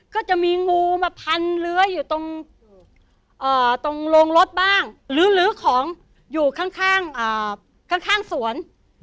ก็จะมีงูมาพันเลื้ออยู่ตรงโรงรถบ้างลื้อของอยู่ข้างสวน